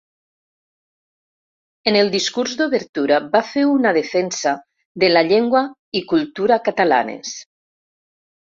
En el discurs d'obertura va fer una defensa de la llengua i cultura catalanes.